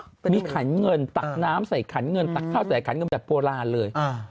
มีขันเงินตักน้ำใส่ขันเงินตักข้าวใส่ขันเงินแบบโบราณเลย